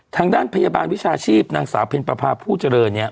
ทางด้านพยาบาลวิชาชีพนางสาวผินประภาผู้เจรอ